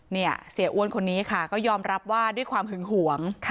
เสียอ้วนคนนี้ค่ะก็ยอมรับว่าด้วยความหึงหวง